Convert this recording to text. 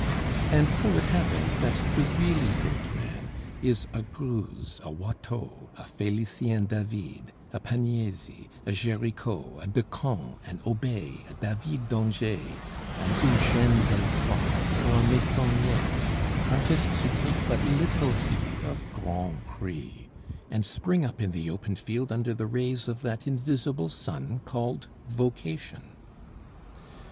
And so it happens that the really great man is a Greuze, a Watteau, a Felicien David, a Pagnesi, a Gericault, a Decamps, an Auber, a David d'Angers, an Eugene Delacroix, or a Meissonier artists who take but little heed of grande prix, and spring up in the open field under the rays of that invisible sun called Vocation.